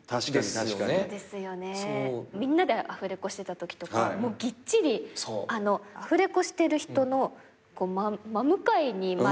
みんなでアフレコしてたときとかもうぎっちりアフレコしてる人の真向かいにまで椅子が並んで。